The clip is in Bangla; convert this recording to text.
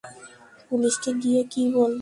পুলিশকে গিয়ে কী বলবো?